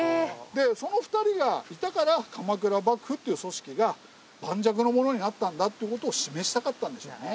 でその２人がいたから鎌倉幕府っていう組織が盤石なものになったんだという事を示したかったんでしょうね。